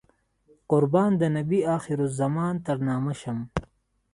قربان د نبي اخر الزمان تر نامه شم.